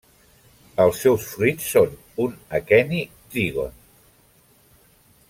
Els seus fruits són un aqueni trígon.